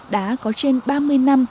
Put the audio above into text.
đã có trên ba mươi năm